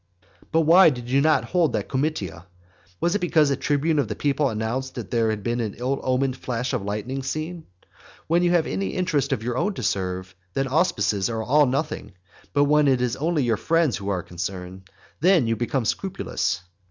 But why did you not hold that comitia? Was it because a tribune of the people announced that there had been an ill omened flash of lightning seen? When you have any interest of your own to serve, then auspices are all nothing; but when it is only your friends who are concerned, then you become scrupulous.